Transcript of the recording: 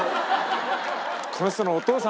この人のお父さんも。